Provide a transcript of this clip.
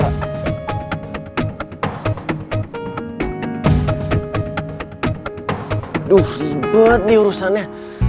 tuh ribet diurusannya